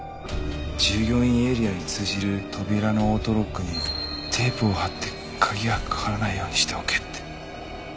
従業員エリアに通じる扉のオートロックにテープを貼って鍵がかからないようにしておけって。